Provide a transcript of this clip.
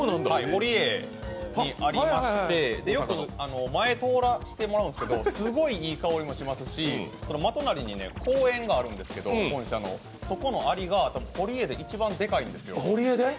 堀江にありまして前通らしてもらうんですけどすごいいい香りもしますし本社の真隣に公園もあるんですけど、そこのアリが堀江で一番でかいんですよ。